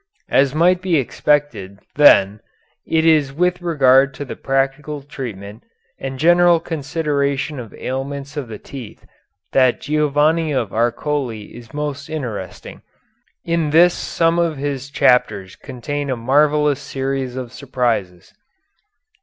As might be expected, then, it is with regard to the practical treatment and general consideration of ailments of the teeth that Giovanni of Arcoli is most interesting. In this some of his chapters contain a marvellous series of surprises.